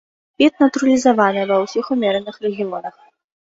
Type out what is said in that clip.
Від натуралізаваны ва ўсіх умераных рэгіёнах.